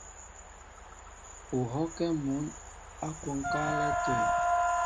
U hɔ́kɛ́ mǔn ǎ kwónkálɛ́ tə̂.